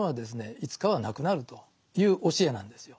いつかはなくなるという教えなんですよ。